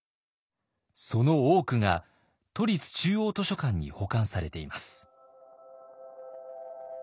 その多くが都立中央図書館に保管されています。